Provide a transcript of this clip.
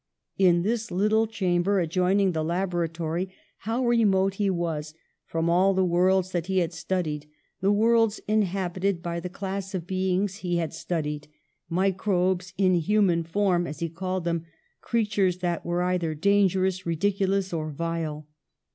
In this little chamber adjoining the laboratory, how remote he was from all the worlds that he had studied, the worlds inhabited by the class of beings he had studied, ^'microbes in human form," as he called them, creatures that were either danger ous, ridiculous or vile!